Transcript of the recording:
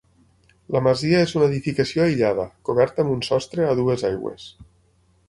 La masia és una edificació aïllada coberta amb un sostre a dues aigües.